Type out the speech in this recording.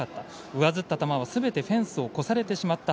上ずった球は、すべてフェンスを越されてしまった。